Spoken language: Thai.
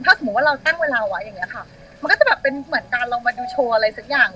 ถ้าเราตั้งเวลาไว้อย่างนี้ค่ะมันก็จะเป็นเหมือนการเรามาดูโชว์อะไรสักอย่าง